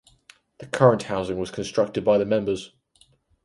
The current housing was constructed by the members.